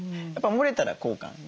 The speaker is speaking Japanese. やっぱもれたら交換。